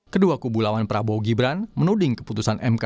kedua kubulawan prabowo gibran menuding keputusan mk